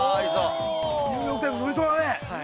ニューヨーク・タイムズ売れそうだね。